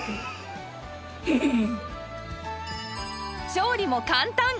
調理も簡単